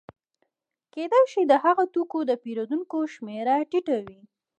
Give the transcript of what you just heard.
کېدای شي د هغه توکو د پېرودونکو شمېره ټیټه وي